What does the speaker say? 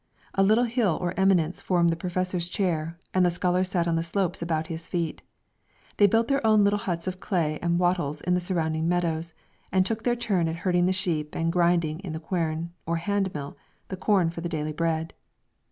A little hill or eminence formed the professor's chair, and the scholars sat on the slopes about his feet. They built their own little huts of clay and wattles in the surrounding meadows, and took their turn at herding the sheep and grinding in the quern, or handmill, the corn for the daily bread.